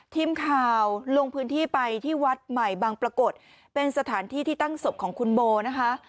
ทีมข่าวลงพื้นที่ไปที่วัดใหม่บางปรากฏเป็นสถานที่ที่ตั้งศพของคุณโบนะคะ